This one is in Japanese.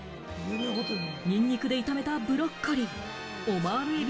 ニンニクで炒めたブロッコリー。